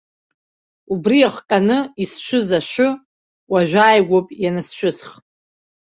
Убри иахҟьаны исшәыз ашәы уажәааигәоуп иансшәысх.